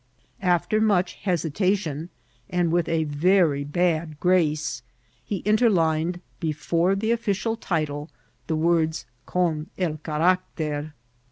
After much hesitation, and with a very bad grace, he interlined before the official title the words can el carader.